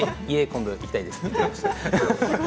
今度、家に行きたいです。